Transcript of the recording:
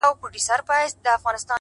بيا مي د زړه د خنداگانو انگازې خپرې سوې”